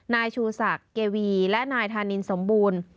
นายชูศักดิ์เกวีและนายธานินสมบูรณ์